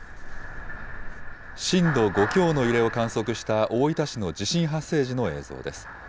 震度５強の揺れを観測した大分市の地震発生時の映像です。